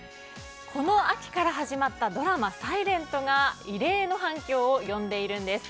この秋から始まったドラマ「ｓｉｌｅｎｔ」が異例の反響を呼んでいるんです。